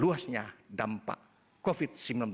luasnya dampak covid sembilan belas